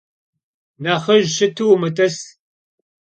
Nexhıj şıtu vumıt'ıs.